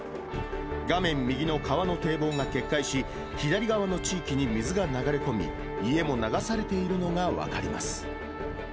画面右の川の堤防が決壊し、左側の地域に水が流れ込み、家も流されているのが分かります。